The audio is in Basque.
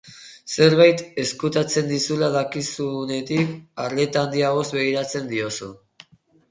Zerbait ezkutatzen dizula dakizunetik, arreta handiagoz begiratzen diozu.